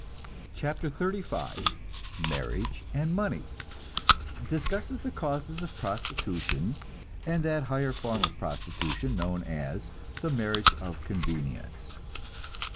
CHAPTER XXXV MARRIAGE AND MONEY (Discusses the causes of prostitution, and that higher form of prostitution known as the "marriage of convenience.")